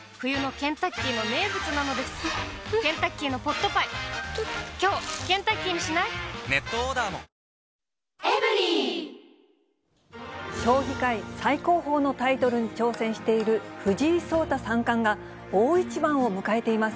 鍋とかしゃぶしゃぶとか食べ将棋界最高峰のタイトルに挑戦している藤井聡太三冠が、大一番を迎えています。